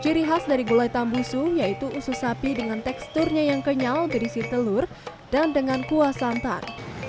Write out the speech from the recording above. ciri khas dari gulai tambusu yaitu usus sapi dengan teksturnya yang kenyal berisi telur dan dengan kuah santan